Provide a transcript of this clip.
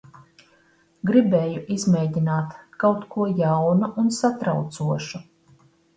Gribēju izmēģināt kaut ko jaunu un satraucošu.